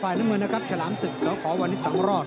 น้ำเงินนะครับฉลามศึกสขวันนี้สังรอด